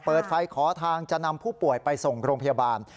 เปิดไฟขอทางจะนำผู้ป่วยไปส่งโรงพยาบาล